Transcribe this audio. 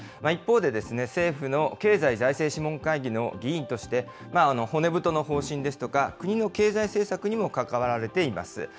一方で、政府の経済財政諮問会議の議員として、骨太の方針ですとか、国の経済政策にも関わられています。